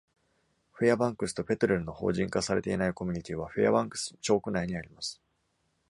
フェアバンクスとペトレルの法人化されていないコミュニティーはフェアバンクス町区内にあります。